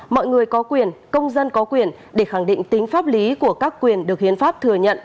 mọi người có quyền công dân có quyền để khẳng định tính pháp lý của các quyền được hiến pháp thừa nhận